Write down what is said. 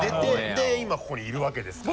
で今ここにいるわけですから。